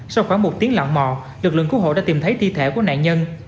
sau khoảng một tiếng lặn mò lực lượng cứu hộ đã tìm thấy thi thể của nạn nhân